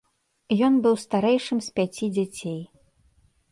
Ён быў старэйшым з пяці дзяцей.